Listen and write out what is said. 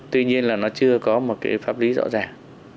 tuy nhiên là nó chưa có một cái pháp lý rõ ràng